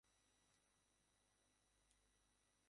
জি, জনাব।